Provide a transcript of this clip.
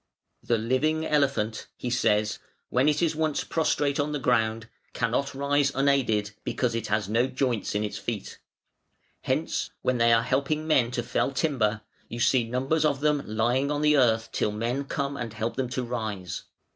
"The living elephant" he says, "when it is once prostrate on the ground, cannot rise unaided, because it has no joints in its feet. Hence when they are helping men to fell timber, you see numbers of them lying on the earth till men come and help them to rise.